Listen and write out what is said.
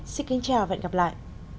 xin chào và hẹn gặp lại